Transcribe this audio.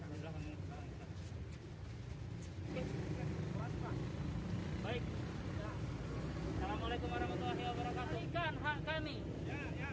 assalamualaikum warahmatullahi wabarakatuh